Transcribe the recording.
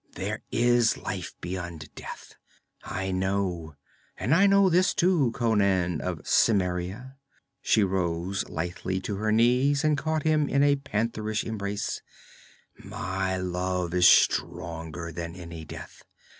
'There is life beyond death, I know, and I know this, too, Conan of Cimmeria ' she rose lithely to her knees and caught him in a pantherish embrace 'my love is stronger than any death!